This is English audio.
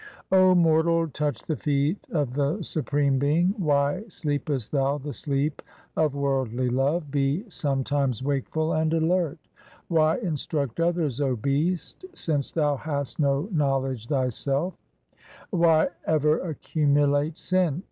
O mortal, touch the feet of the Supreme Being. Why sleepest thou the sleep of worldly love ? be some times wakeful and alert. Why instruct others, O beast, since thou hast no know ledge thyself ? COMPOSITIONS OF GURU GOBIND SINGH 325 Why ever accumulate sin